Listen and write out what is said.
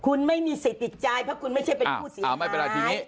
คุณไม่มีสิทธิ์ติดใจเพราะคุณไม่ใช่เป็นผู้เสียหาย